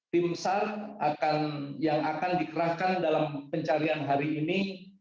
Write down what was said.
tim sar yang akan dikerahkan dalam pencarian hari ini